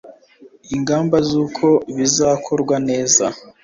ingamba zuko bizakorwa neza